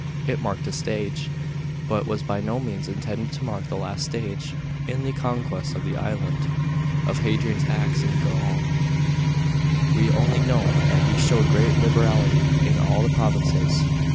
It marked a stage, but was by no means intended to mark the last stage, in the conquest of the island. § 14. Of Hadrian's acts in Gaul we only know that he showed great liberality in all the provinces.